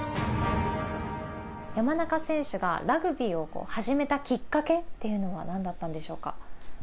山中選手がラグビーを始めたきっかけっていうのはなんだったんでしょうか？